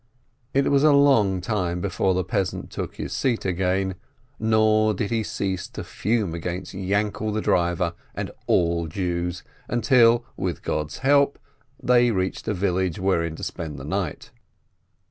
It was a long time before the peasant took his seat again, nor did he cease to fume against Yainkel the driver and all Jews, until, with God's help, they reached a village wherein to spend the night.